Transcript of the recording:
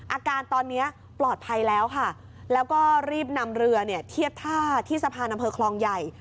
อาการตอนนี้ปลอดภัยแล้วค่ะแล้วก็รีบนำเรือเนี่ยเทียบท่าที่สะพานอำเภอคลองใหญ่